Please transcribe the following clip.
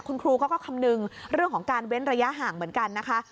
คุณครูเขาก็คำนึงเรื่องของการเว้นระยะห่างเหมือนกันนะคะ